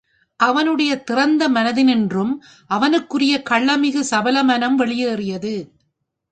அவனுடைய திறந்த மனத்தினின்றும் அவனுக்குரிய கள்ளமிகு சபலமனம் வெளியேறியது!